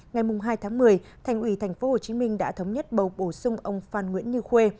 ngày hai tháng một mươi thành ủy tp hcm đã thống nhất bầu bổ sung ông phan nguyễn như khuê